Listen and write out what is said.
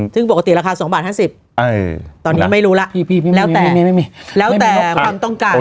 ซึ่งปกติราคา๒บาท๕๐ตอนนี้ไม่รู้แล้วแต่ไม่มีแล้วแต่ความต้องการ